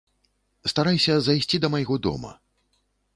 Старайся зайсці да майго дома.